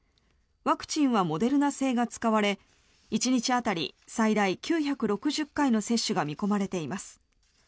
ワクチンはモデルナ製が使われ１日当たり最大９６０回の接種が見込まれています。